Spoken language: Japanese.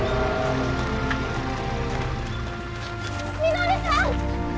稔さん！